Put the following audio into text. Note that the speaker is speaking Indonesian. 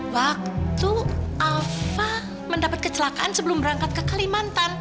waktu alfa mendapat kecelakaan sebelum berangkat ke kalimantan